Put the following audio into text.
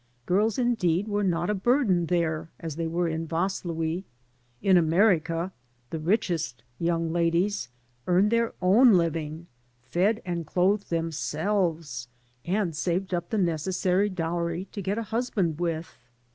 Girls, indeed, were not a burden there as they were in Vaslui. In America the richest young ladies earned their own living, fed and clothed themselves, and saved up the necessary dowry to get a husband with.